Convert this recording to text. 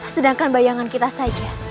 sedangkan bayangan kita saja